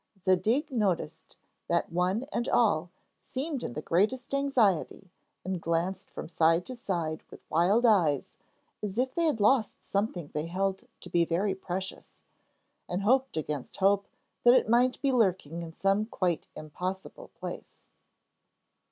Zadig noticed that one and all seemed in the greatest anxiety and glanced from side to side with wild eyes as if they had lost something they held to be very precious, and hoped against hope that it might be lurking in some quite impossible place.